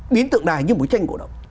biến tượng đài như một tranh cổ động